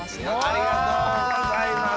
ありがとうございます。